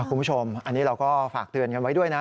คุณผู้ชมอันนี้เราก็ฝากเตือนกันไว้ด้วยนะ